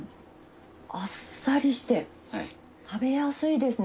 あっさりして食べやすいですね。